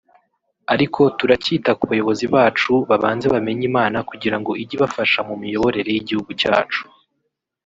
ariko turakita ku bayobozi bacu babanze bamenye Imana kugira ngo ijye ibafasha mu miyoborere y’igihugu cyacu